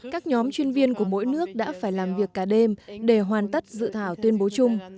các nhóm chuyên viên của mỗi nước đã phải làm việc cả đêm để hoàn tất dự thảo tuyên bố chung